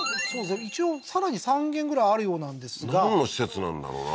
一応さらに３軒ぐらいあるようなんですがなんの施設なんだろうな？